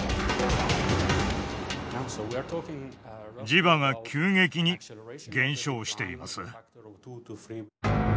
磁場が急激に減少しています。